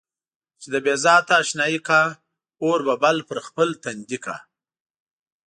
چې د بې ذاته اشنايي کا اور به بل پر خپل تندي کا.